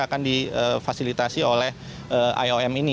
akan difasilitasi oleh iom ini